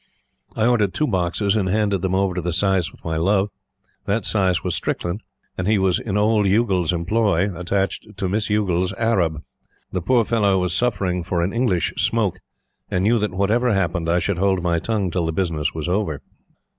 I ordered two boxes, and handed them over to the sais with my love. That sais was Strickland, and he was in old Youghal's employ, attached to Miss Youghal's Arab. The poor fellow was suffering for an English smoke, and knew that whatever happened I should hold my tongue till the business was over.